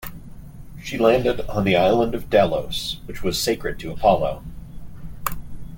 She landed on the island of Delos, which was sacred to Apollo.